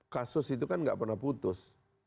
kasus itu kan nggak pernah putus